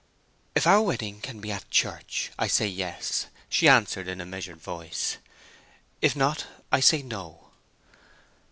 "If our wedding can be at church, I say yes," she answered, in a measured voice. "If not, I say no."